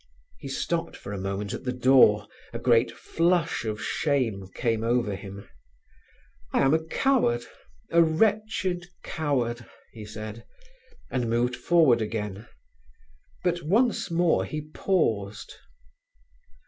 He stopped for a moment at the door; a great flush of shame came over him. "I am a coward, a wretched coward," he said, and moved forward again; but once more he paused.